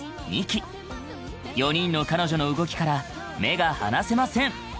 ２期４人の彼女の動きから目が離せません！